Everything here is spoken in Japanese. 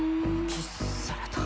キッスされた。